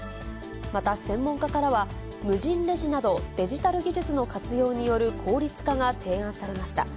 また専門家からは、無人レジなどデジタル技術の活用による効率化が提案されました。